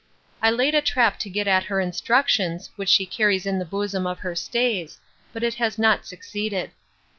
I laid a trap to get at her instructions, which she carries in the bosom of her stays; but it has not succeeded.